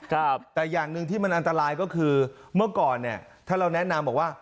ครับแต่อย่างหนึ่งที่มันอันตรายก็คือเมื่อก่อนเนี่ยถ้าเราแนะนำบอกว่า